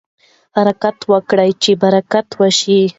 حرکت وکړئ چې برکت وشي.